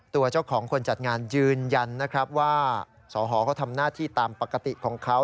ตัวเจ้าของคนจัดงานยืนยันนะครับว่าสอหอเขาทำหน้าที่ตามปกติของเขา